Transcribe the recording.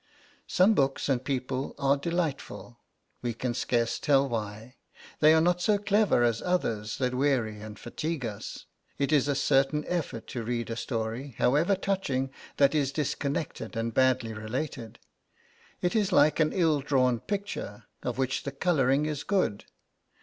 Some books and people are delightful, we can scarce tell why; they are not so clever as others that weary and fatigue us. It is a certain effort to read a story, however touching, that is disconnected and badly related. It is like an ill drawn picture, of which the colouring is good.